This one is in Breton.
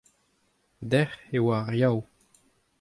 dec'h e oa ar Yaou.